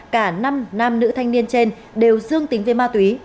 cả năm nam nữ thanh niên trên đều dương tính với ma túy